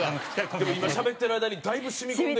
でも今しゃべってる間にだいぶ染み込んで。